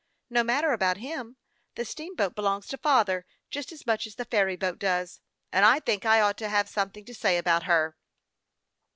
Xo matter about him, the steamboat belongs to father, just as much as the ferry boat does ; and I think I ought to have some thing to say about her."